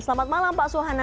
selamat malam pak suhana